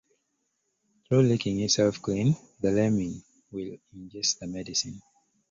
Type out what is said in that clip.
Through licking itself clean, the lemming will ingest the medicine.